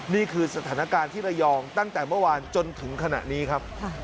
นี่คือสถานการณ์ที่ระยองตั้งแต่เมื่อวานจนถึงขณะนี้ครับ